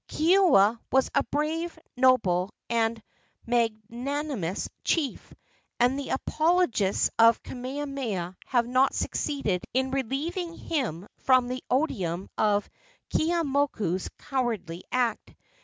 Keoua was a brave, noble, and magnanimous chief, and the apologists of Kamehameha have not succeeded in relieving him from the odium of Keeaumoku's cowardly act.